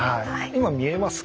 今見えますか？